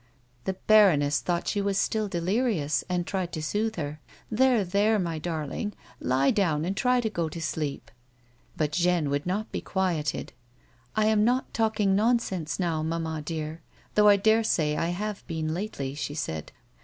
The baroness thought she was still delirious, and tried to soothe her. " There, there, my darling ; lie down and try to go tr sleep." But Jeanne would not be quieted. " I am not talking nonsense now, mamma dear, though 1 daresay I have been lately," she said.